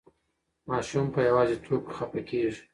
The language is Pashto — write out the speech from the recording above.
ماشوم په یوازې توب کې خفه کېږي.